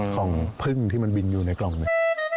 ของพึ่งที่มันบินอยู่ในกล่องหนึ่ง